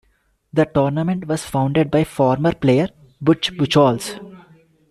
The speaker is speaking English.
The tournament was founded by former player Butch Buchholz.